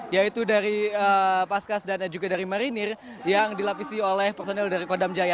yaitu dari paskas dan juga dari marinir yang dilapisi oleh personil dari kodam jaya